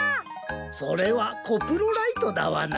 それはコプロライトダワナ。